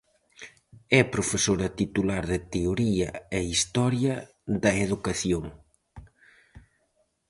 É profesora titular de Teoría e Historia da Educación.